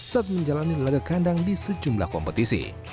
saat menjalani laga kandang di sejumlah kompetisi